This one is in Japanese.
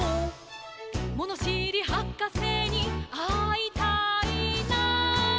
「ものしりはかせにあいたいな」